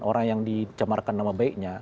orang yang dicemarkan nama baiknya